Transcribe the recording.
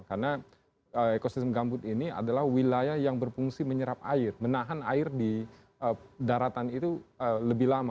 karena ekosistem gambut ini adalah wilayah yang berfungsi menyerap air menahan air di daratan itu lebih lama